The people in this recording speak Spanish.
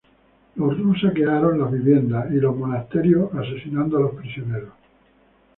Los Rus saquearon las viviendas y los monasterios, asesinando a los prisioneros.